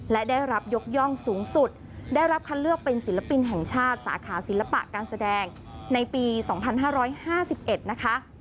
และได้รับยกย่องสูงสุดได้รับคัดเลือกเป็นศิลปินแห่งชาติสาขาศิลปะการแสดงในปี๒๕๕๑นะคะ